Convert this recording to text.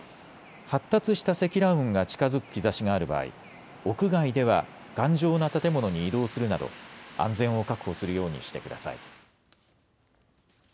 発達した積乱雲が近づく兆しがある場合、屋外では頑丈な建物に移動するなど安全を確保するようにしてください。